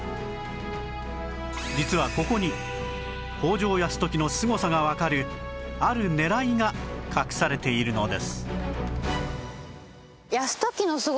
実はここに北条泰時のすごさがわかるある狙いが隠されているのです